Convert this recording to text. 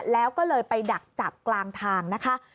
แล้วก็เลยไปดักจับกลางทางนะคะ